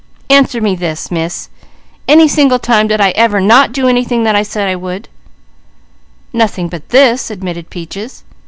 Answer me this, Miss. Any single time did I ever not do anything that I said I would?" "Nothing but this," admitted Peaches.